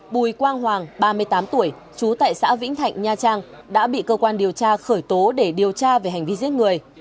bùi quang hoàng ba mươi tám tuổi trú tại xã vĩnh thạnh nha trang đã bị cơ quan điều tra khởi tố để điều tra về hành vi giết người